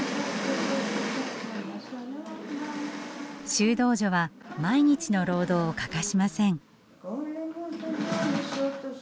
修道女は毎日の労働を欠かしません。